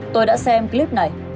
tôi đã xem clip này